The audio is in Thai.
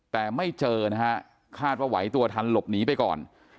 แต่ไม่เจอนะฮะคาดว่าไหวตัวทันหลบหนีไปก่อน